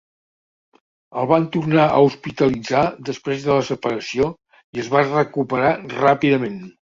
El van tornar a hospitalitzar després de la separació i es va recuperar ràpidament.